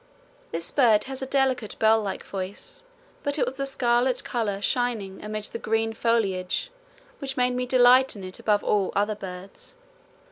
This bird had a delicate bell like voice, but it was the scarlet colour shining amid the green foliage which made me delight in it above all other birds.